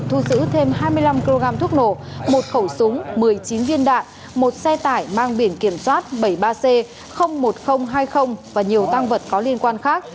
hai đối tượng thuốc nổ một khẩu súng một mươi chín viên đạn một xe tải mang biển kiểm soát bảy mươi ba c một nghìn hai mươi và nhiều tăng vật có liên quan khác